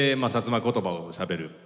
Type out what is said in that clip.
摩言葉をしゃべる。